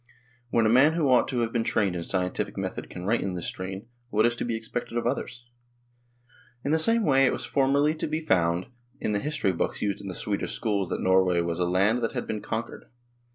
When a man who ought to have been trained in scientific method can write in this strain, what is to be expected of others ? In the same way it was formerly to be found in the history books used in the Swedish schools that Norway was a land that had been conquered.